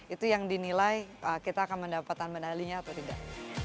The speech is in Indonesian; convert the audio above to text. itu yang dinilai kita akan mendapatkan medalinya atau tidak